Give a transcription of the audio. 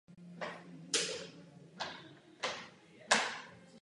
Také hovořím o členských státech Evropské unie.